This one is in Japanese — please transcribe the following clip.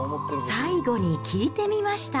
最後に聞いてみました。